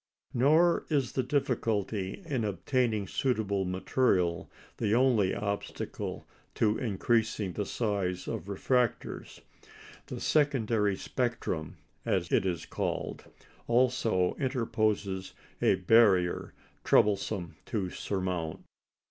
Nor is the difficulty in obtaining suitable material the only obstacle to increasing the size of refractors. The "secondary spectrum," as it is called, also interposes a barrier troublesome to surmount.